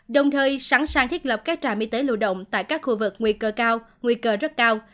đồng thời sẵn sàng thiết lập các trạm y tế lưu động tại các khu vực nguy cơ cao nguy cơ rất cao